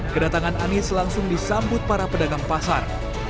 kedatangan anies langsung disambut para pedagang pasar